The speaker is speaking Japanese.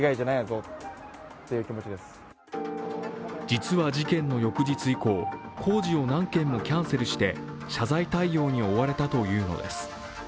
実は事件の翌日以降、工事を何件もキャンセルして謝罪対応に追われたというのです。